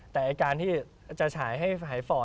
แต่การที่จะฉายให้หายฝ่อ